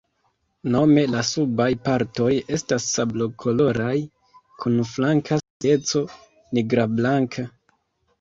Nome la subaj partoj estas sablokoloraj kun flanka strieco nigrablanka.